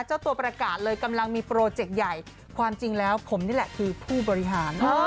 เจ้าตัวประกาศเลยกำลังมีโปรเจกต์ใหญ่ความจริงแล้วผมนี่แหละคือผู้บริหาร